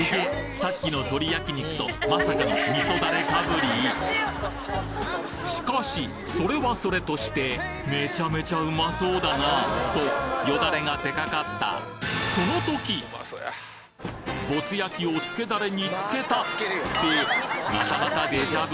さっきの鶏焼き肉とまさかのしかしそれはそれとしてめちゃめちゃうまそうだなとよだれが出かかったぼつ焼をつけダレに付けたってまたまたデジャブ？